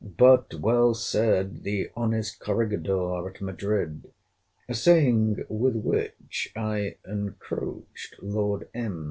But well said the honest corregidor at Madrid, [a saying with which I encroached Lord M.